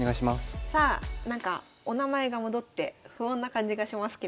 さあなんかお名前が戻って不穏な感じがしますけれども。